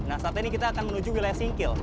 nah saat ini kita akan menuju wilayah singkil